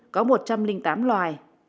có một trăm linh tám loài